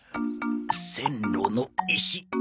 線路の石。